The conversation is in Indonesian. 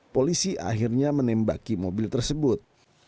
polisi akhirnya menembaki mobil tersebut